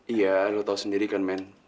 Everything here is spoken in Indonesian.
iya lo tahu sendiri kan men